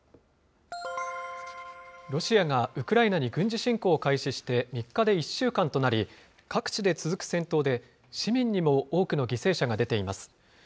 ロシアがウクライナに軍事侵攻を開始して３日で１週間となり、各地で続く戦闘で、市民にも多くの犠牲者が出ています。